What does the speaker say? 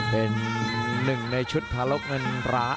เป็นหนึ่งในชุดพระลบเงินประ